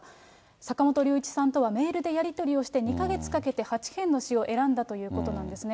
坂本龍一さんとはメールでやり取りをして、２か月かけて８編の詩を選んだということなんですね。